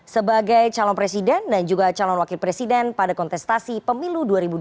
sebagai calon presiden dan juga calon wakil presiden pada kontestasi pemilu dua ribu dua puluh